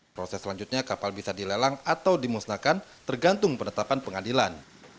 proses selanjutnya kapal bisa dilelang atau dimusnahkan tergantung penetapan pengadilan